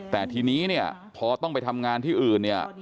แต่ทีนี้เนี่ยพอต้องไปทำงานที่อื่นเนี่ย